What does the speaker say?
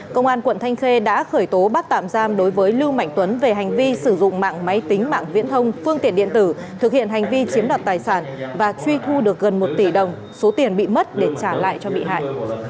công an quận thanh khê đã khởi tố bắt tạm giam đối với lưu mạnh tuấn về hành vi sử dụng mạng máy tính mạng viễn thông phương tiện điện tử thực hiện hành vi chiếm đoạt tài sản và truy thu được gần một tỷ đồng số tiền bị mất để trả lại cho bị hại